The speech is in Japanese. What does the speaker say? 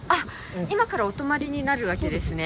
今からお泊りになるわけですね。